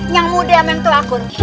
yang muda sama yang tua akur